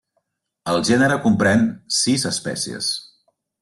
El gènere comprèn sis espècies.